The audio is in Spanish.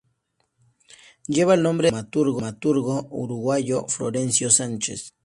Lleva el nombre del dramaturgo uruguayo Florencio Sánchez.